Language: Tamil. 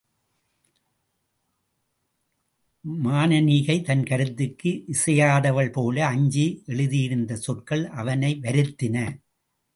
மானனீகை தன் கருத்துக்கு இசையாதவள்போல அஞ்சி எழுதியிருந்த சொற்கள் அவனை வருத்தின.